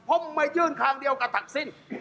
ผมไม่ยื่นข้างเดียวกับศักดิ์สิ้น